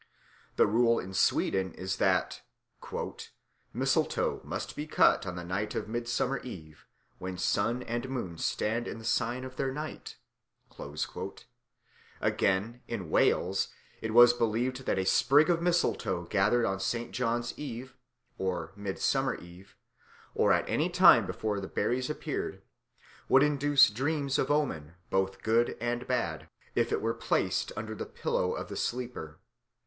The rule in Sweden is that "mistletoe must be cut on the night of Midsummer Eve when sun and moon stand in the sign of their might." Again, in Wales it was believed that a sprig of mistletoe gathered on St. John's Eve (Midsummer Eve), or at any time before the berries appeared, would induce dreams of omen, both good and bad, if it were placed under the pillow of the sleeper.